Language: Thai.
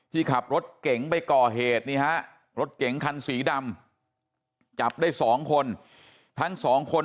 ที่ขับรถเก่งไปก่อเหตุรถเก่งคันสีดำจับได้๒คนทั้ง๒คน